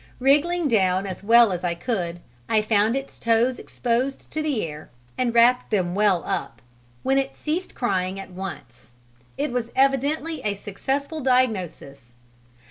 Wriggling down as well as I could, I found its toes exposed to the air and wrapped them well up, when it ceased crying at once: it was evidently a successful diagnosis!